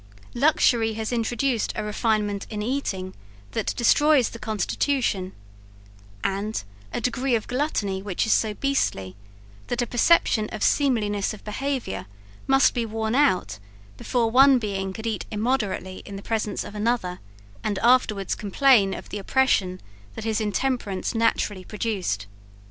Luxury has introduced a refinement in eating that destroys the constitution; and, a degree of gluttony which is so beastly, that a perception of seemliness of behaviour must be worn out before one being could eat immoderately in the presence of another, and afterwards complain of the oppression that his intemperance naturally produced.